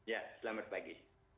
ya selamat pagi